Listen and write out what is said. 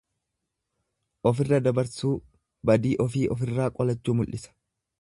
Ofirra dabarsuu, badii ofii ofirraa qolachuu mul'isa.